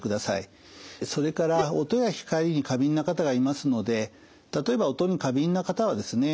それから音や光に過敏な方がいますので例えば音に過敏な方はですね